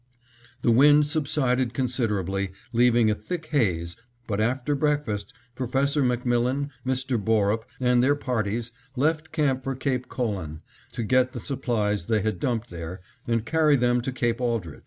The wind subsided considerably, leaving a thick haze, but after breakfast, Professor MacMillan, Mr. Borup, and their parties, left camp for Cape Colan, to get the supplies they had dumped there, and carry them to Cape Aldrich.